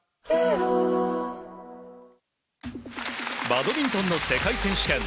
バドミントンの世界選手権。